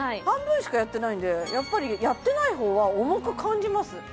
半分しかやってないんでやっぱりやってない方は重く感じます